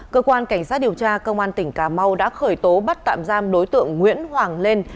cơ quan cảnh sát điều tra công an tỉnh cà mau đã khởi tố bắt tạm giam đối tượng nguyễn hoàng lên